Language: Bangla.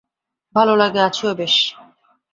ভাল লাগে, আছিও বেশ।